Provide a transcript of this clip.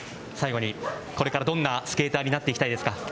最後に、これからどんなスケーターになっていきたいですか？